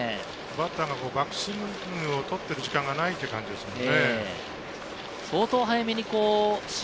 バッターがバックスイングを取っている時間がないくらいですね。